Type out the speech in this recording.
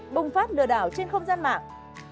năm bùng phát lừa đảo trên không gian mạng